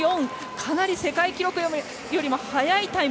かなり世界記録よりも速いタイム。